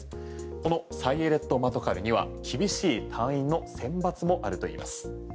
このサイェレット・マトカルには厳しい単位の選抜もあるといいます。